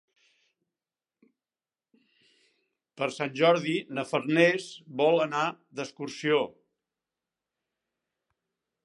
Per Sant Jordi na Farners vol anar d'excursió.